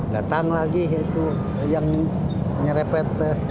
datang lagi yang nyerepet